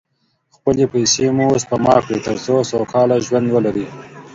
خپلې پیسې مو سپما کړئ، تر څو سوکاله ژوند ولرئ.